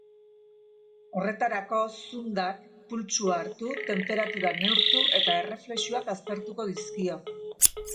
Horretarako, zundak pultsua hartu, tenperatura neurtu eta erreflexuak aztertuko dizkio.